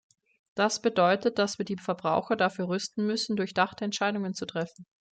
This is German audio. Das bedeutet, dass wir die Verbraucher dafür rüsten müssen, durchdachte Entscheidungen zu treffen.